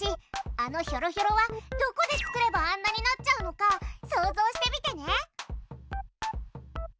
あのひょろひょろはどこで作ればあんなになっちゃうのか想像してみてね。